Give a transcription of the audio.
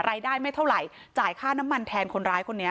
ไม่เท่าไหร่จ่ายค่าน้ำมันแทนคนร้ายคนนี้